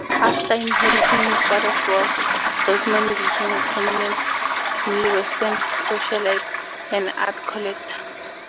After inheriting his father's wealth, Dousman became a prominent Midwestern socialite and art collector.